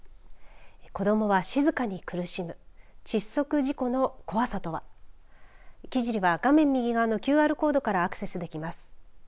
子どもは静かに苦しむ窒息事故の怖さとは記事には画面右側のＱＲコードからアクセスできます。